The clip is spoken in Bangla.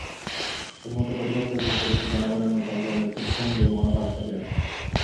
প্রথমত, প্রতিপক্ষের বিরুদ্ধে দেশের জনগণের মধ্যে একধরনের যুদ্ধংদেহী মনোভাব জাগিয়ে রাখা।